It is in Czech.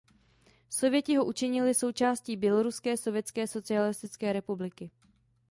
Sověti ho učinili součástí Běloruské sovětské socialistické republiky.